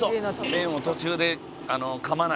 「麺を途中でかまない。